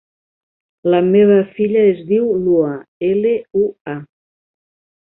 La meva filla es diu Lua: ela, u, a.